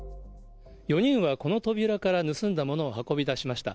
４人はこの扉から盗んだものを運び出しました。